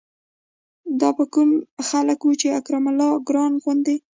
دا به کوم خلق وو چې د اکرام الله ګران غوندې